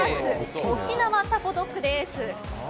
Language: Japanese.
沖縄タコドッグです。